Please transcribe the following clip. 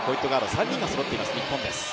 ３人がそろっている日本です。